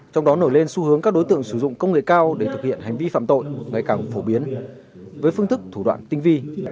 trong đó nổi lên xu hướng các đối tượng sử dụng công nghệ cao để thực hiện hành vi phạm tội ngày càng phổ biến với phương thức thủ đoạn tinh vi